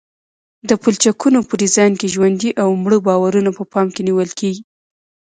د پلچکونو په ډیزاین کې ژوندي او مړه بارونه په پام کې نیول کیږي